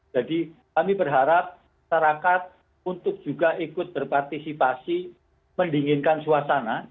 jadi kami berharap serakat untuk juga ikut berpartisipasi mendinginkan suasana